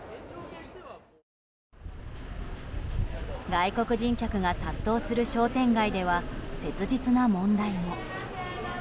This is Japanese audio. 外国人客が殺到する商店街では切実な問題も。